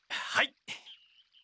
はい！